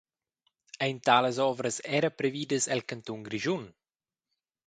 Ein talas ovras era previdas el cantun Grischun?